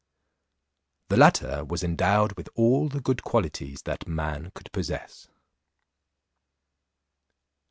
The latter was endowed with all the good qualities that man could possess.